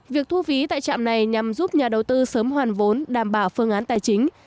việc thu phí tại trạm này nhằm giúp nhà đầu tư sớm hoàn vốn đảm bảo phương án tài chính